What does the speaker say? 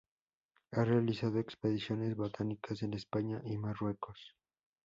Ha realizado expediciones botánicas en España y Marruecos